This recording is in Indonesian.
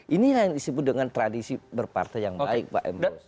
inilah yang disebut dengan tradisi berpartai yang baik pak emrus